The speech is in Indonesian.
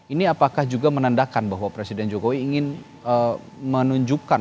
ini apakah juga menandakan bahwa presiden jokowi ingin menunjukkan